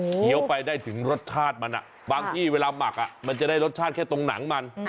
ี้ยวไปได้ถึงรสชาติมันบางที่เวลาหมักมันจะได้รสชาติแค่ตรงหนังมัน